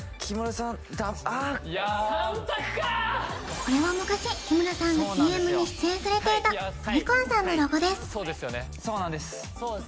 これは昔木村さんがＣＭに出演されていたニコンさんのロゴです・